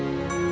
semoga ka damai